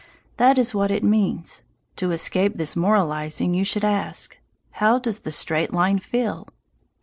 That is what it means. To escape this moralizing you should ask, "How does the straight line feel?"